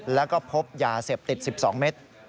แล้วก็พบยาเสพติด๑๒เมตร